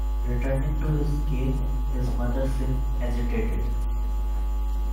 Returning to his cave, his mother seems agitated.